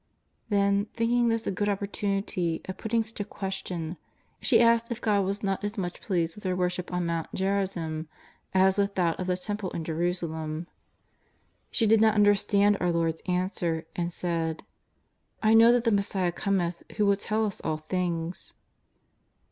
Then, thinking this a good opportunity of putting such a question, she asked if God was not as much pleased with their worship on Mount Gerazim as with that of the Temple in Jerusalem. She did not understand our Lord's answer and said :^^ I know that the Messiah cometh who will tell us all things."